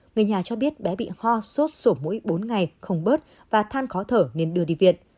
người nhà cho biết bé bị ho sốt sổ mũi bốn ngày không bớt và than khó thở nên đưa đi viện